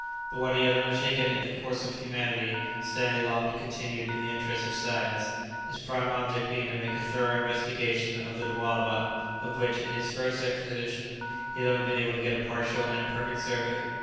But what he had undertaken in the course of humanity Stanley longed to continue in the interests of science, his prime object being to make a thorough investigation of the Lualaba, of which, in his first expedition, he had only been able to get a partial and imperfect survey.